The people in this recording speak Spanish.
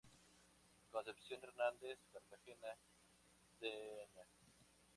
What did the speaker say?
Concepción Hernández Cartagena, Dña.